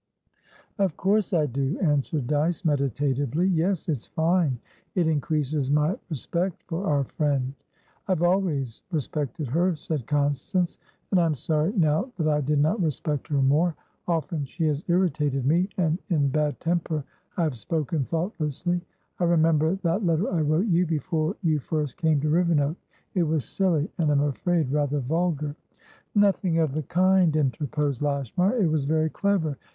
"Of course I do," answered Dyce, meditatively. "Yes, it's fine. It increases my respect for our friend." "I have always respected her," said Constance, "and I am sorry now that I did not respect her more. Often she has irritated me, and in bad temper I have spoken thoughtlessly. I remember that letter I wrote you, before you first came to Rivenoak; it was silly, and, I'm afraid, rather vulgar." "Nothing of the kind," interposed Lashmar. "It was very clever.